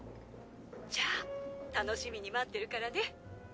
じゃあ楽しみに待ってるからね！